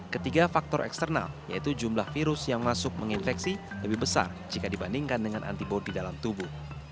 ketiga faktor eksternal yaitu jumlah virus yang masuk menginfeksi lebih besar jika dibandingkan dengan antibody dalam tubuh